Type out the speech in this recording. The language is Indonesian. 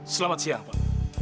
selamat siang pak